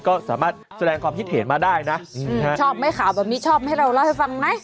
ก็สามารถแสดงความคิดเห็นมาได้นะชอบไหมข่าวแบบนี้ชอบให้เราเล่าให้ฟังไหม